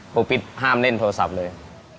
ปิ๊ดห้ามเล่นโทรศัพท์เลย